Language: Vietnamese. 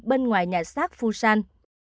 bên ngoài nhà sát fushan